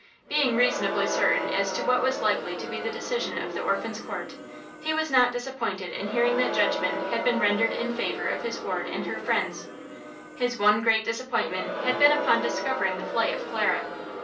Being reasonably certain as to what was likely to be the decision of the Orphans' Court, he was not disappointed in hearing that judgment had been rendered in favor of his ward and her friends. His one great disappointment had been upon discovering the flight of Clara.